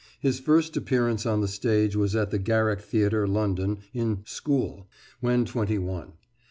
His first appearance on the stage was at the Garrick Theatre, London, in "School," when twenty one.